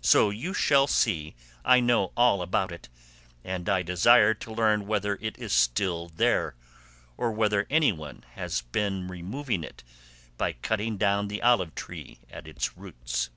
So you see I know all about it, and I desire to learn whether it is still there, or whether any one has been removing it by cutting down the olive tree at its roots."